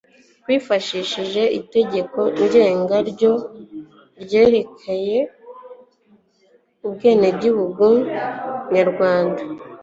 Twifashishije itegeko ngenga ryo ryerekeye ubwenegihugu Nyarwanda,